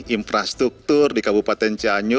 infrastruktur di kabupaten cianyu